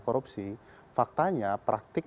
korupsi faktanya praktik